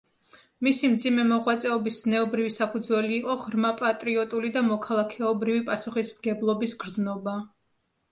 მისი მძიმე მოღვაწეობის ზნეობრივი საფუძველი იყო ღრმა პატრიოტული და მოქალაქეობრივი პასუხისმგებლობის გრძნობა.